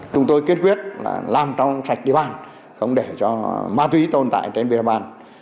chúng tôi kết quyết là làm trong sạch địa bàn không để cho ma túy tồn tại trên địa bàn